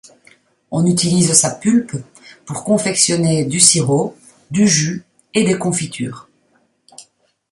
On utilise sa pulpe pour confectionner du sirop, du jus et des confitures.